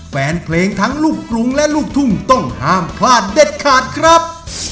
แฟนเพลงทั้งลูกกรุงและลูกทุ่งต้องห้ามพลาดเด็ดขาดครับ